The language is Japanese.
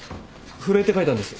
震えて書いたんです。